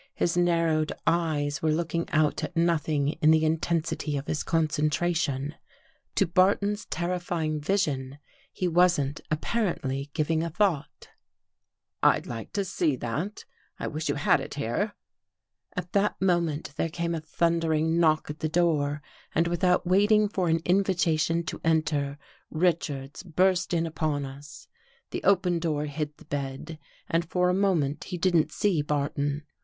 His narrowed eyes were looking out at nothing in the intensity of his concentration. To Barton's terrifying vision, he wasn't apparently giving a thought. " I'd like to see that. I wish you had it here." At that moment there came a thundering knock at the door and without waiting for an invitation to enter, Richards burst in upon us. The open door hid the bed and for a moment he didn't see Barton.